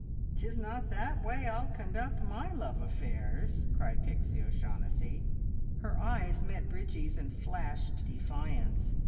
... 'Tis not that way I'll conduct my love affairs!" cried Pixie O'Shaughnessy. Her eyes met Bridgie's, and flashed defiance.